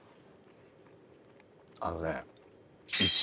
あのね。